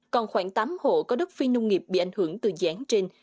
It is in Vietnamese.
còn khoảng tám hộ có đất phi nông nghiệp bị ảnh hưởng từ giãn trên